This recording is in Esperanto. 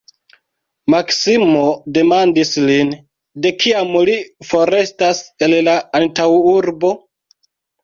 Maksimo demandis lin, de kiam li forestas el la antaŭurbo?